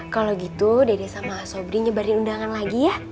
kalau gitu dede sama sobri nyebarin undangan lagi ya